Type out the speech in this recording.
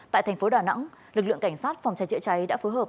tại thành phố đà nẵng lực lượng cảnh sát phòng cháy chữa cháy đã phối hợp